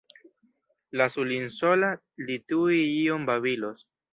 Lasu lin sola, li tuj ion babilos.